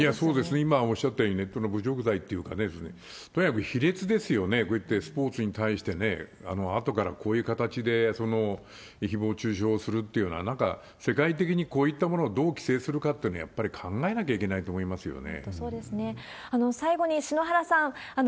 今おっしゃったように、この侮辱罪っていうかね、とにかく卑劣ですよね、こうやってスポーツに対して、あとからこういう形でひぼう中傷をするっていうのは、なんか世界的にこういったものをどう規制するかっていうのをやっぱり考えなきゃいけないと思いますよね。